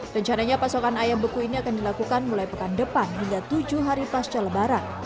rencananya pasokan ayam beku ini akan dilakukan mulai pekan depan hingga tujuh hari pasca lebaran